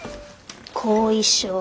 後遺症。